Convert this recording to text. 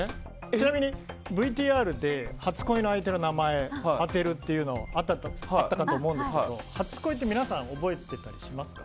ちなみにＶＴＲで、初恋の相手の名前を当てるというのがあったかと思うんですが初恋って皆さん覚えていたりしますか？